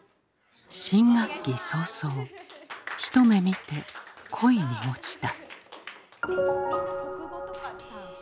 新学期早々一目見て恋に落ちた。